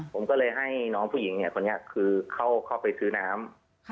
ผมก็เลยให้น้องผู้หญิงเนี้ยคนเนี้ยคือเข้าเข้าไปซื้อน้ำค่ะ